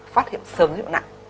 phát hiện sớm dưới độ nặng